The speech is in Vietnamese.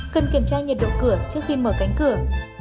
cần kiểm tra nhiệt độ cửa trước khi mở cánh cửa